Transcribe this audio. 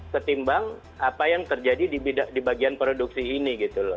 ketimbang apa yang terjadi di bagian produksi ini